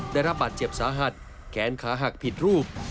ได้รับบาดเจ็บสาหัสแขนขาหักผิดรูป